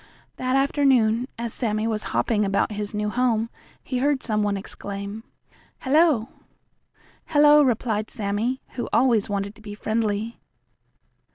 That afternoon, as Sammie was hopping about his new home, he heard some one exclaim: "Hello!" "Hello," replied Sammie, who always wanted to be friendly.